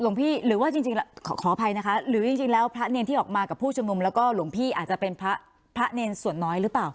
พี่หรือว่าจริงขออภัยนะคะหรือจริงแล้วพระเนรที่ออกมากับผู้ชุมนุมแล้วก็หลวงพี่อาจจะเป็นพระเนรส่วนน้อยหรือเปล่า